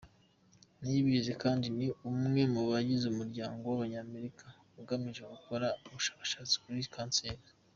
Niyibizi kandi ni umwe mu bagize umuryango w’Abanyamerika ugamije gukora ubushakashatsi kuri kanseri.